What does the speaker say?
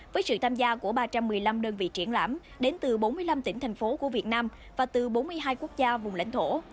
với sự tham gia của ba trăm một mươi năm đơn vị triển lãm đến từ bốn mươi năm tỉnh thành phố của việt nam và từ bốn mươi hai quốc gia vùng lãnh thổ